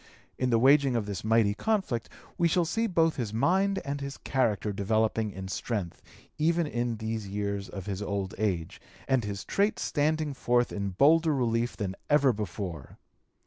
In the waging of this mighty conflict we shall see both his mind and his character developing in strength even in these years of his old age, and his traits standing forth in bolder relief than ever before.